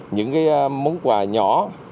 những món quà nhỏ